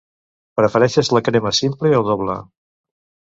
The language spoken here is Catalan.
Prefereixes la crema simple o doble?